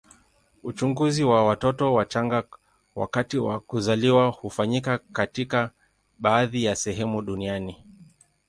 Uchunguzi wa watoto wachanga wakati wa kuzaliwa hufanyika katika baadhi ya sehemu duniani.